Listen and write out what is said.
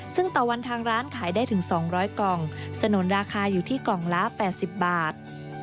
ซึ่งต่อวันทางร้านขายได้ถึง๒๐๐กล่องสนุนราคาอยู่ที่กล่องละ๘๐บาท